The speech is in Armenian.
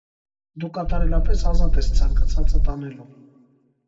դու կատարելապես ազատ ես ցանկացածդ անելու: